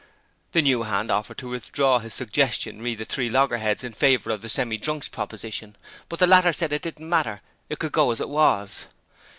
The new hand offered to withdraw his suggestion re the Three Loggerheads in favour of the Semi drunks proposition, but the latter said it didn't matter; it could go as it was.